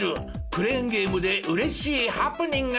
クレーンゲームで嬉しいハプニング！